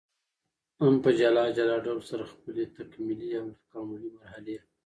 هم په جلا جلا ډول سره خپلي تکمیلي او تکاملي مرحلې